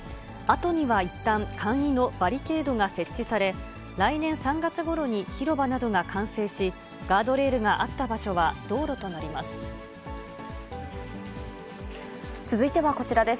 跡にはいったん、簡易のバリケードが設置され、来年３月ごろに広場などが完成し、ガードレールがあった場所は道路となります。